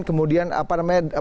kemudian apa namanya